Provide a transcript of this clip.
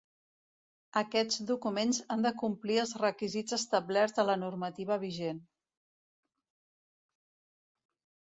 Aquests documents han de complir els requisits establerts a la normativa vigent.